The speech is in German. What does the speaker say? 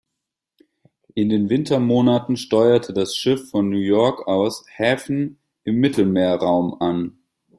In den Wintermonaten steuerte das Schiff von New York aus Häfen im Mittelmeerraum an.